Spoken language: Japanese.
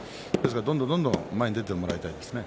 どんどん前に出てもらいたいですね。